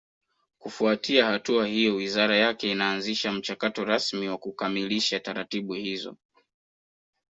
kufuatia hatua hiyo wizara yake inaanzisha mchakato rasmi wa kukamilisha taratibu hizo